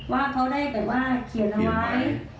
ว่าเขาได้แบบว่าเขียนเอาไว้